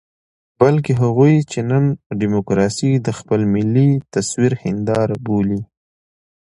بلکې هغوی چې نن ډيموکراسي د خپل ملي تصوير هنداره بولي.